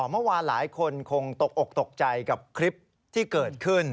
เมื่อวานหลายคนคงตกอกตกใจกับคลิปที่เกิดขึ้น